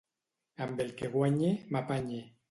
Amb el que guanye, m'apanye.